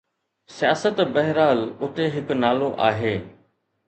سياست؛ بهرحال، اتي هڪ نالو آهي.